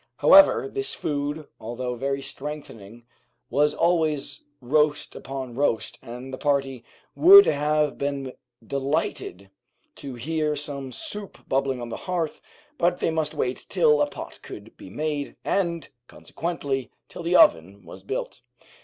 However, this food, although very strengthening, was always roast upon roast, and the party would have been delighted to hear some soup bubbling on the hearth, but they must wait till a pot could be made, and, consequently, till the oven was built.